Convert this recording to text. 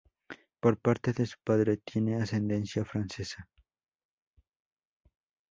Por parte de su padre tiene ascendencia francesa.